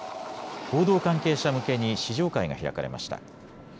報道関係者向けに試乗会が開かれました。